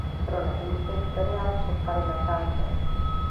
Pro neúspěch seriál přestali natáčet.